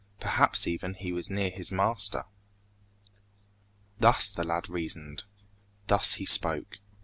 Perhaps even he was near his master. Thus the lad reasoned. Thus he spoke.